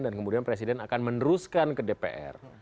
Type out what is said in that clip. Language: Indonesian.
dan kemudian presiden akan meneruskan ke dpr